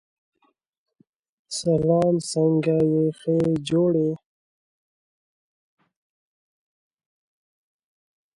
The associated package xpdf-utils contains tools such as pdftotext and pdfimages.